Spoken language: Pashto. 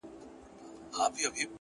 هغې پرون زما د قتل دسيسه جوړه کړه”